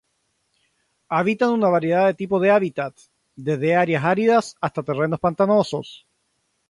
Habitan una variedad de tipos de hábitats, desde áreas áridas hasta terrenos pantanosos.